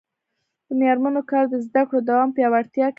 د میرمنو کار د زدکړو دوام پیاوړتیا کوي.